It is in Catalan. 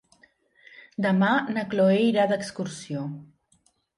Demà na Cloè irà d'excursió.